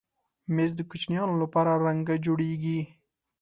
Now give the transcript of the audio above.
مېز د کوچنیانو لپاره رنګه جوړېږي.